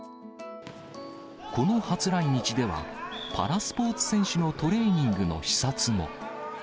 この初来日では、パラスポーツ選手のトレーニングの視察も。